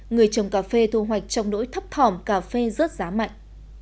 người trồng cà phê thu hoạch trong nỗi thấp thỏm cà phê rớt giá mạnh